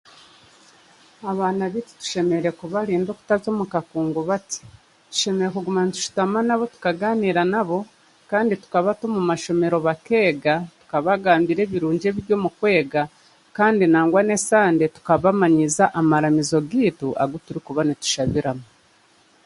Baaba bareekyebeza kirabareetera kumanya nanokwesigana, kandi bakuguma baramanya ngu nibo bonka kandi omuntu ayesige mugyenzi weeye, mbwenu nikyo kibonereire okwekyebeza omushaija n'omukazi akakooko ka siriimu.